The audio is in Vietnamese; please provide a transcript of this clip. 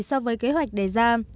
so với kế hoạch đề ra